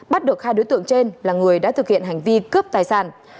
bắt được hai đối tượng trên là người đã thực hiện hành vi cướp tài sản